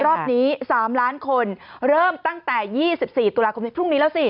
รอบนี้๓ล้านคนเริ่มตั้งแต่๒๔ตุลาคมนี้พรุ่งนี้แล้วสิ